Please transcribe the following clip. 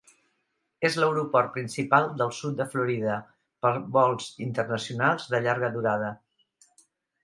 És l'aeroport principal del sud de Florida per vols internacionals de llarga durada.